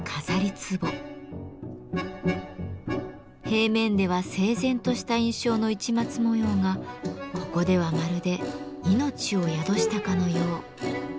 平面では整然とした印象の市松模様がここではまるで命を宿したかのよう。